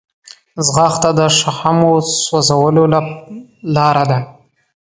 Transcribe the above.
ځغاسته د شحمو سوځولو لاره ده